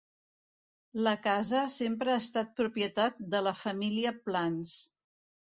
La casa sempre ha estat propietat de la família Plans.